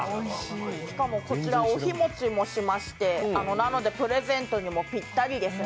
しかも、こちらお日持ちもしまして、プレゼントにもぴったりですね。